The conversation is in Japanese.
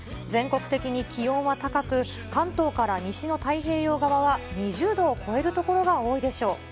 全国的に気温が高く、関東から西の太平洋側は２０度を超える所が多いでしょう。